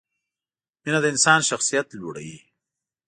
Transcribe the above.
مینه د انسان شخصیت لوړوي.